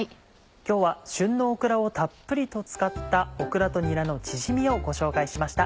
今日は旬のオクラをたっぷりと使った「オクラとにらのチヂミ」をご紹介しました。